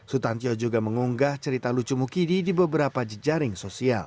sutantio juga mengunggah cerita lucu mukidi di beberapa jejaring sosial